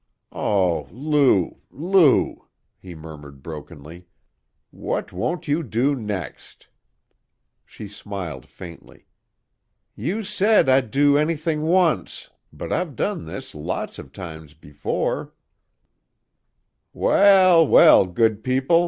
"Oh, Lou! Lou!" he murmured brokenly. "What won't you do next?" She smiled faintly. "You said I'd do anything once, but I've done this lots of times before " "Well, well, good people!